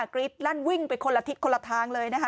กรี๊ดลั่นวิ่งไปคนละทิศคนละทางเลยนะคะ